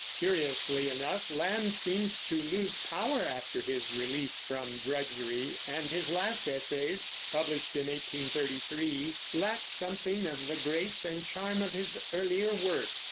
Curiously enough Lamb seems to lose power after his release from drudgery, and his last essays, published in 1833, lack something of the grace and charm of his earlier work.